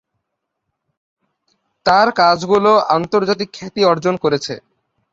তার কাজগুলো আন্তর্জাতিক খ্যাতি অর্জন করেছে।